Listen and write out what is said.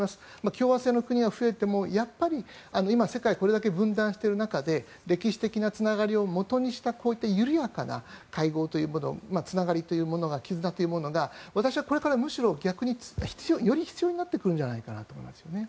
共和制の国は増えてもやっぱり、今世界がこれだけ分断している中で歴史的なつながりを重要視したこういった緩やかなつながり、絆というものが私はこれからむしろより必要になってくるんじゃないかと思います。